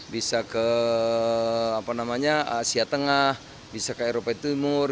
bisa ke asia tengah bisa ke eropa timur